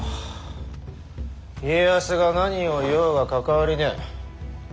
家康が何を言おうが関わりねえ。